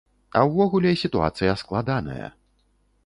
А ўвогуле, сітуацыя складаная.